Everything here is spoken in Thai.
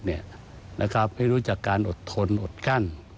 ให้รู้จักการอดทนอดกั้น